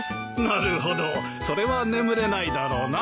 なるほどそれは眠れないだろうな。